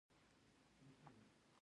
کاناډا غوښه هم صادروي.